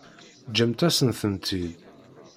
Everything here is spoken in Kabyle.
Ǧǧemt-asen-tent-id.